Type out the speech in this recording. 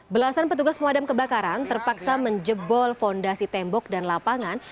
belasan petugas pemadam kebakaran terpaksa menjebol fondasi tembok dan lapangan